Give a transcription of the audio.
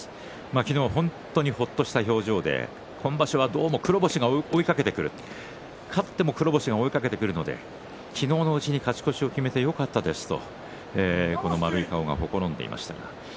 昨日は本当にほっとした表情で今場所はどうも黒星が追いかけてくる勝っても黒星が追いかけてくるので昨日のうちに勝ち越しを決めてよかったですとこの丸い顔がほころんでいました。